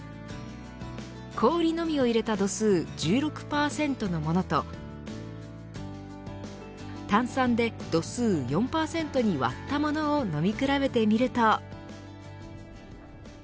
氷のみを入れた度数１６％のものと炭酸で度数４％に割ったものを飲み比べてみると。